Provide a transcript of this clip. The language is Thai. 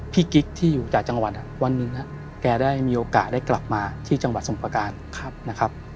กิ๊กที่อยู่จากจังหวัดวันหนึ่งแกได้มีโอกาสได้กลับมาที่จังหวัดสมประการนะครับ